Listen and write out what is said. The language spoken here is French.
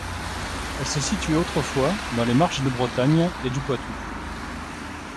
Elle se situait autrefois dans les Marches de Bretagne et du Poitou.